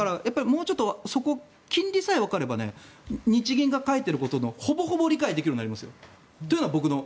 もうちょっとそこ金利さえわかれば日銀が書いていることほぼほぼ理解できるようになりますよ。